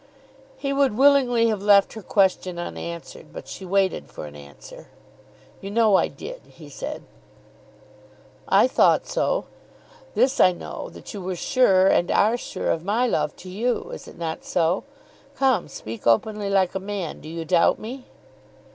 He would willingly have left her question unanswered, but she waited for an answer. "You know I did," he said. "I thought so. This I know, that you were sure and are sure of my love to you. Is it not so? Come, speak openly like a man. Do you doubt me?"